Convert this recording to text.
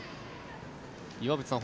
岩渕さん